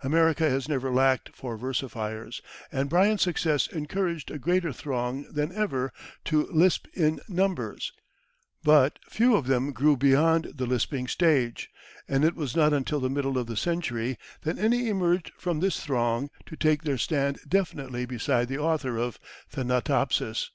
America has never lacked for versifiers, and Bryant's success encouraged a greater throng than ever to "lisp in numbers"; but few of them grew beyond the lisping stage, and it was not until the middle of the century that any emerged from this throng to take their stand definitely beside the author of "Thanatopsis."